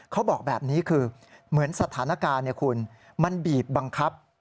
เขาบอกแบบนี้คือเหมือนสถานการณ์คุณมันบีบบังคับ